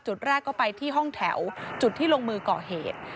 จุดแรกก็ไปที่ห้องแถวจุดที่ลงมือก่อเหตุ